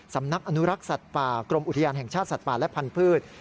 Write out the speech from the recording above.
สำนักอนุรักษ์สัตว์ป่ากรมอุทยานแห่งชาติสัตว์ป่าและพันธุ์